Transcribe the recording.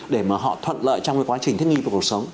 để mà họ thuận lợi trong quá trình thiết nghi về cuộc sống